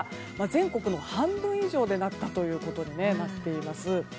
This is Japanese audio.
全国の半分以上でなったということになっています。